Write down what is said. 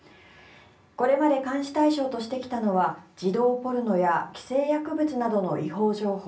これまで監視対象としてきたのは児童ポルノや規制薬物などの違法情報